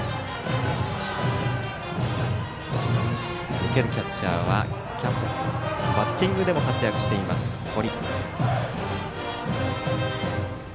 受けるキャッチャーはキャプテンバッティングでも活躍しています、堀。